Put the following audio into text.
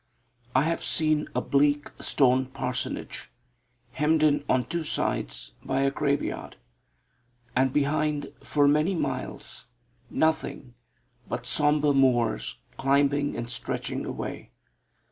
I have seen a bleak stone parsonage, hemmed in on two sides by a grave yard; and behind for many miles nothing but sombre moors climbing and stretching away.